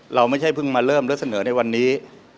เราไม่ใช่เพิ่งมาเริ่มแล้วเสนอในวันนี้